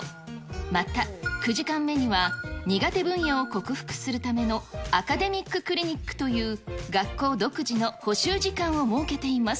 また、９時間目には、苦手分野を克服するためのアカデミッククリニックという学校独自の補習時間を設けています。